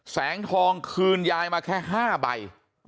แสงทองคืนยายมาแค่๕ใบ